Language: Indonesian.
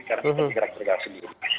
karena itu bergerak gerak sendiri